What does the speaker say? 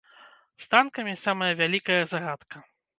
З танкамі самая вялікая загадка.